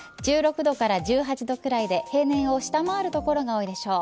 １６度から１８度くらいで平年を下回る所が多いでしょう。